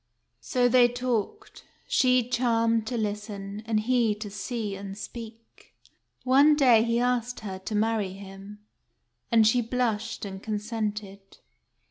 So they talked, she charmed to listen, and he to see and speak. One day he asked her to marry him ; and she blushed, and consented.